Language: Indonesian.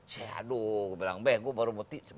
saya aduh bilang be gue baru mau tidur